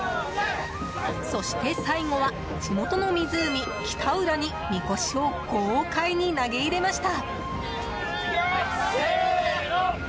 そして最後は地元の湖、北浦にみこしを豪快に投げ入れました。